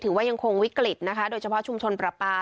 ถือว่ายังคงวิกฤตโดยเฉพาะชุมชนประปา